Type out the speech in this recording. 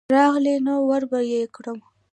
که راغله نو وربه یې کړم.